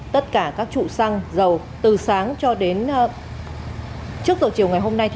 tất cả các trụ xăng dầu từ sáng cho đến trước giờ chiều ngày hôm nay